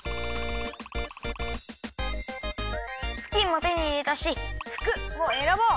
ふきんも手にいれたし「ふく」をえらぼう！